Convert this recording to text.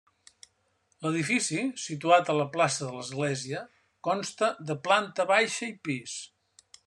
L'edifici, situat a la plaça de l'Església, consta de planta baixa i pis.